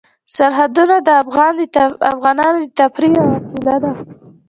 سرحدونه د افغانانو د تفریح یوه وسیله ده.